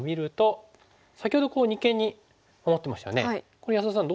これ安田さん